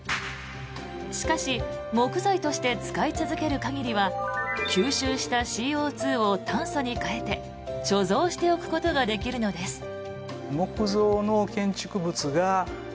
しかし、木材として使い続ける限りは吸収したＣＯ２を炭素に変えて貯蔵しておくことができるのです。